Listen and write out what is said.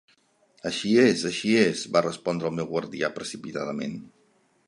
"Així és, així és", va respondre el meu guardià precipitadament.